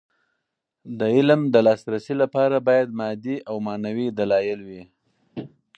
د علم د لاسرسي لپاره باید مادي او معنوي دلايل وي.